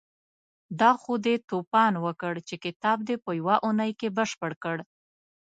دا خو دې توپان وکړ چې کتاب دې په يوه اونۍ کې بشپړ کړ.